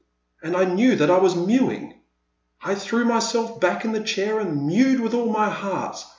And I knew that I was mewing ! I threw myself back in my chair and mewed with all my heart.